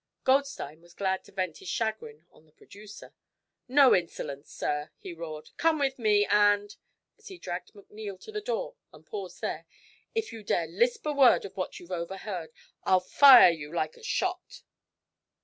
Goldstein was glad to vent his chagrin on the producer. "No insolence, sir!" he roared. "Come with me, and," as he dragged McNeil to the door and paused there, "if you dare lisp a word of what you've overheard, I'll fire you like a shot!"